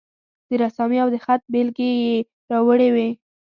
د رسامي او د خط بیلګې یې راوړې وې.